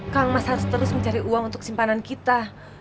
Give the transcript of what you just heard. kang mas harus terus mencari uang untuk simpanan kita